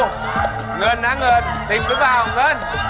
เงินนะเงิน๑๐หรือเปล่าเงิน